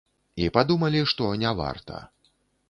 І падумалі, што не варта.